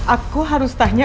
aku harus tanya